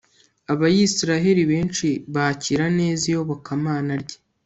abayisraheli benshi bakira neza iyobokamana rye